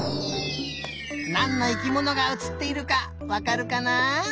なんの生きものがうつっているかわかるかな？